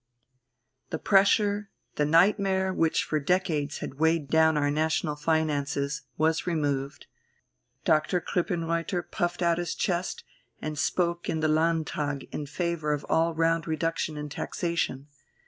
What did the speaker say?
The pressure, the nightmare which for decades had weighed down our national finances, was removed; Doctor Krippenreuther puffed out his chest and spoke in the Landtag in favour of all round reduction in taxation.